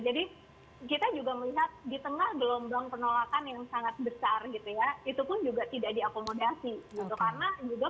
jadi kita juga melihat di tengah gelombang penolakan yang sangat besar gitu ya itu pun juga tidak diakomodasi gitu